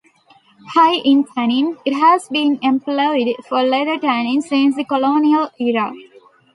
High in tannin, it has been employed for leather tanning since the colonial era.